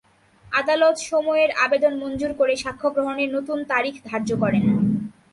আদালত সময়ের আবেদন মঞ্জুর করে সাক্ষ্য গ্রহণের নতুন তারিখ ধার্য করেন।